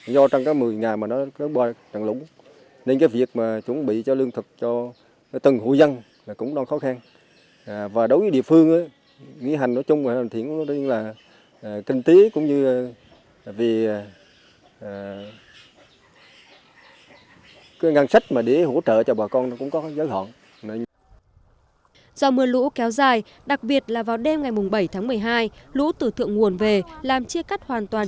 do mưa lũ kéo dài đặc biệt là vào đêm ngày bảy tháng một mươi hai lũ từ thượng nguồn về làm chia cắt hoàn toàn